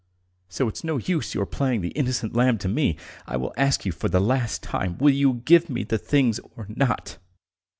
So it's no use your playing the innocent lamb to me! I ask you for the last time: will you give me the things, or not?"